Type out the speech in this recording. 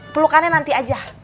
pelukannya nanti aja